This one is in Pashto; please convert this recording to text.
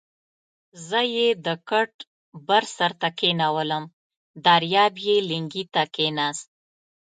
زه یې د کټ بر سر ته کېنولم، دریاب یې لنګې ته کېناست.